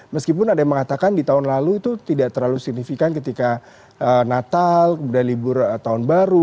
meskipun ada yang mengatakan di tahun lalu itu tidak terlalu signifikan ketika natal kemudian libur tahun baru